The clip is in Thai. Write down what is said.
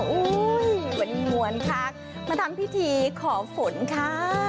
วันนี้มวลค่ะมาทั้งพิธีขอฝนค่ะ